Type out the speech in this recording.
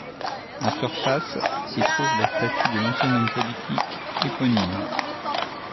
En surface, s'y trouve la statue de l'ancien homme politique éponyme.